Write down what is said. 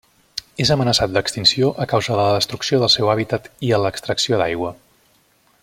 És amenaçat d'extinció a causa de la destrucció del seu hàbitat i a l'extracció d'aigua.